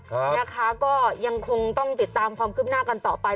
ค่ะนะคะก็ยังคงต้องติดตามความคืบหน้ากันต่อไป